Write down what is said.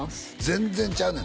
全然ちゃうね